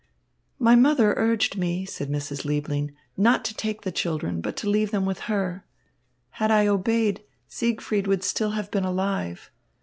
"My mother urged me," said Mrs. Liebling, "not to take the children, but to leave them with her. Had I obeyed, Siegfried would still have been alive.